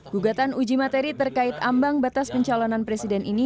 gugatan uji materi terkait ambang batas pencalonan presiden ini